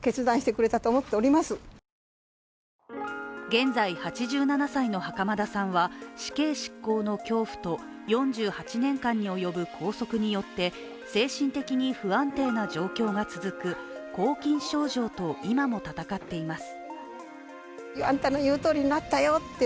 現在８７歳の袴田さんは死刑執行の恐怖と４８年間に及ぶ拘束によって精神的に不安定な状況が続く拘禁症状と今も闘っています。